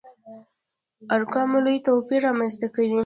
ارقامو لوی توپير رامنځته کوي.